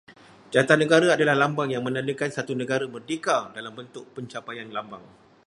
Jata negara adalah lambang yang menandakan satu negara merdeka dalam bentuk pencapaian lambang